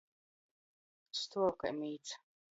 Stuov kai mīts.